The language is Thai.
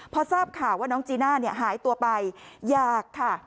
พอทราบข่าวว่าน้องจีน่าเนี่ยหายตัวไปอยากค่ะ